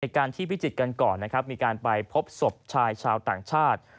การที่พิจิตรกันก่อนนะครับมีการไปพบศพชายชาวต่างชาติ